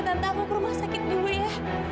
tante aku ke rumah sakit dulu ya